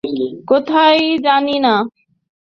কোথায় জানি না।